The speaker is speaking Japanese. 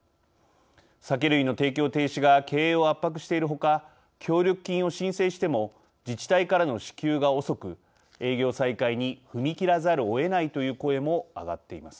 酒類の提供停止が経営を圧迫しているほか協力金を申請しても自治体からの支給が遅く営業再開に踏み切らざるをえないという声も上がっています。